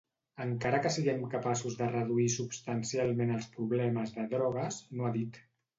Encara que siguem capaços de reduir substancialment els problemes de drogues, no ha dit.